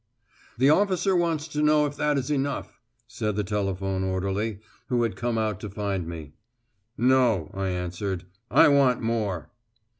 "The officer wants to know if that is enough," said the telephone orderly, who had come out to find me. "No," I answered; "I want more."